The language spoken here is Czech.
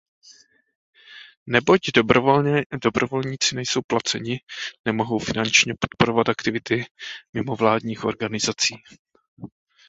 Neboť dobrovolníci nejsou placení, nemohou finančně podporovat aktivity mimovládních organizací.